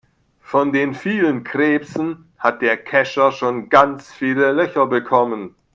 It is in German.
Von den vielen Krebsen hat der Kescher schon ganz viele Löcher bekommen.